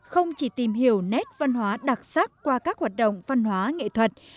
không chỉ tìm hiểu nét văn hóa đặc sắc qua các hoạt động văn hóa nghệ thuật